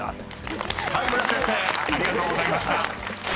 ［村瀬先生ありがとうございました］